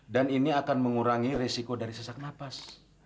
dan ini akan mengurangi resiko dari sesak nafas